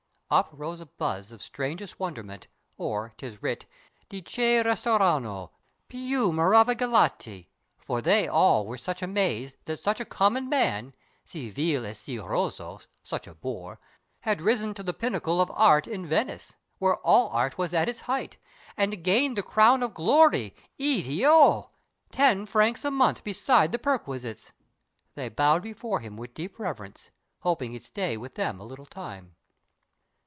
Up rose a buzz of strangest wonderment, Or, as 'tis writ, Di che restarono Più maravigliati; for they all Were much amazed that such a common man— Si vile e si rozzo—such a boor— Had risen to the pinnacle of Art In Venice, where all Art was at its height, And gained the crown of glory—Iddio! "Ten francs a month besides the perquisites!" They bowed before him with deep reverence, Hoping he'd stay with them a little time.